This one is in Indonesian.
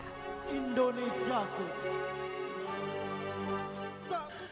sebelum kembali di indonesia perusahaan berjalan dengan lebih cepat